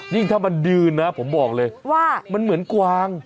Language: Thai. ยิ่งถ้ามันยืนนะผมบอกเลยว่ามันเหมือนกวาง